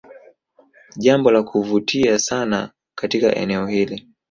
Jambo la kuvutia sana katika eneo hili